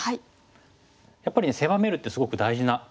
やっぱりね狭めるってすごく大事なことなんですけども。